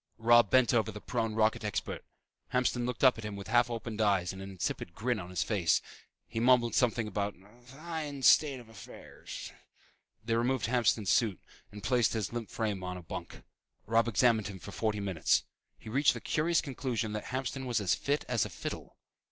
Robb bent over the prone rocket expert. Hamston looked up at him with half opened eyes and an insipid grin on his face. He mumbled something about "a fine state of affairs." They removed Hamston's suit and placed his limp frame on a bunk. Robb examined him for forty minutes. He reached the curious conclusion that Hamston was as fit as a fiddle.